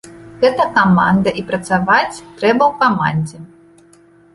Гэта каманда і працаваць трэба ў камандзе.